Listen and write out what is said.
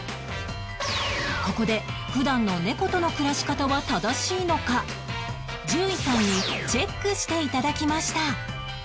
ここで普段の猫との暮らし方は正しいのか獣医さんにチェックして頂きました